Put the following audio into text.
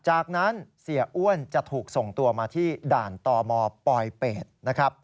จากนั้นเสียอ้วนจะถูกส่งตัวมาที่ด่านตมปลอยเป็ดนะครับ